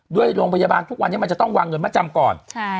ด้วยโรงพยาบาลทุกวันนี้มันจะต้องวางเงินมาจำก่อน